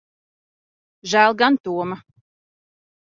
Žēl gan Toma.